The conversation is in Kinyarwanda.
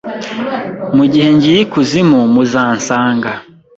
Mugihe ngiye ikuzimu muzansanga